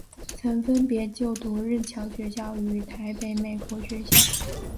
曾分别就读日侨学校与台北美国学校。